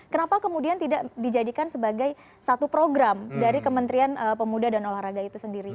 kenapa kemudian tidak dijadikan sebagai satu program dari kementerian pemuda dan olahraga itu sendiri